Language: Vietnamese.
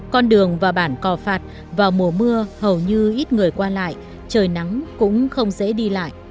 con đường và bản cò phạt vào mùa mưa hầu như ít người qua lại trời nắng cũng không dễ đi lại